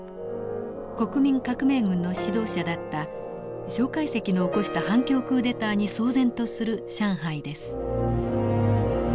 国民革命軍の指導者だった介石の起こした反共クーデターに騒然とする上海です。